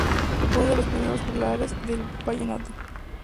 Fue unos de los primeros juglares del vallenato.